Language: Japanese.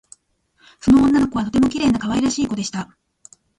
その女の子はとてもきれいなかわいらしいこでした